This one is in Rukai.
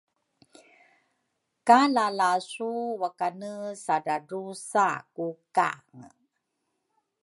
ku lalasu wakane sa dradrusa ku kange.